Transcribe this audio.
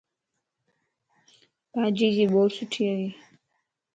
ڀاڄيءَ جي ٻورسٺي ائي